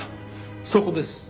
そこです。